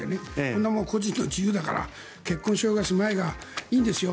こんなものは個人の自由だから結婚しようがしまいがいいんですよ。